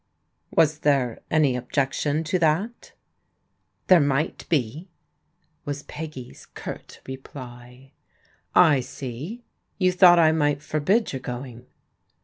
" Was there any objection to that? "" There might be," was Peggy's curt reply. *' I see. You thought I might forbid your going."